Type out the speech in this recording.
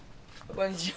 こんにちは。